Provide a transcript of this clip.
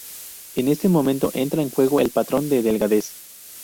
En este momento entra en juego el patrón de delgadez.